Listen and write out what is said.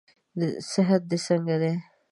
صحت دې څنګه دئ؟